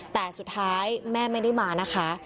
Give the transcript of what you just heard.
แต่สุดท้ายแม่ไม่ได้มานะคะ